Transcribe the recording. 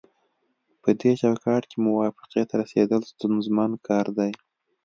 پدې چوکاټ کې موافقې ته رسیدل ستونزمن کار دی